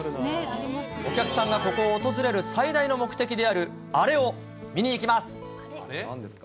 お客さんがここを訪れる最大の目的である、あれを見に行きます。